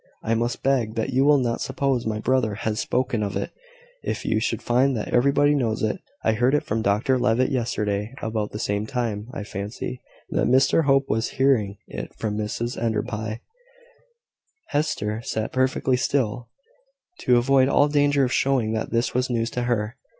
I must beg that you will not suppose my brother has spoken of it, if you should find that everybody knows it. I heard it from Dr Levitt yesterday, about the same time, I fancy, that Mr Hope was hearing it from Mrs Enderby." Hester sat perfectly still, to avoid all danger of showing that this was news to her.